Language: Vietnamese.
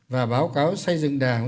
và báo cáo xây dựng đảng